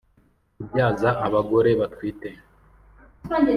kubyaza abagore batwite